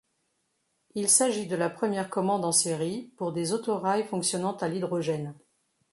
Il s'agit de la première commande en série pour des autorails fonctionnant à l'hydrogène.